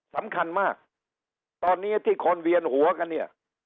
สำคัญมากตอนนี้ที่คนเวียนหัวกันเนี่ย